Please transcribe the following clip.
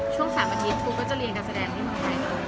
ช่วง๓อาทิตย์กูก็จะเรียนการแสดงไปตามวงไทย